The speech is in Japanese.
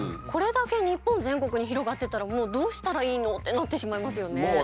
これだけ日本全国に広がってたらもうどうしたらいいのってなってしまいますよね。